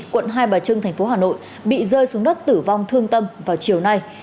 quận hai bà trưng tp hà nội bị rơi xuống đất tử vong thương tâm vào chiều nay